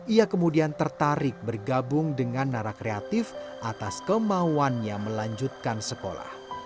ia kemudian tertarik bergabung dengan narak kreatif atas kemauannya melanjutkan sekolah